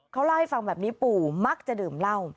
เขาเล่าให้ฟังแบบนี้ปู่มักจะดื่มเหล้า